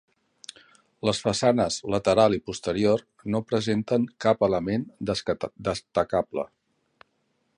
Les façanes lateral i posterior no presenten cap element destacable.